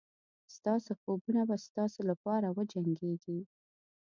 ستاسو خوبونه به ستاسو لپاره وجنګېږي.